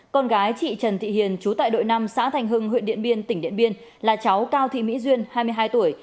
con gái chị trần thị hiền chú tại đội năm xã thành hưng huyện điện biên tỉnh điện biên là cháu cao thị mỹ duyên hai mươi hai tuổi